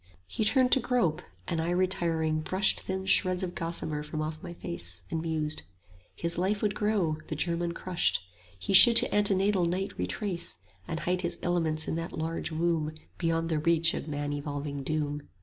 He turned to grope; and I retiring brushed Thin shreds of gossamer from off my face, And mused, His life would grow, the germ uncrushed; He should to antenatal night retrace, 70 And hide his elements in that large womb Beyond the reach of man evolving Doom.